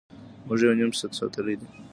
موږ یو نیم پسه ساتلی وي.